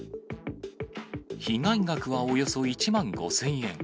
被害額はおよそ１万５０００円。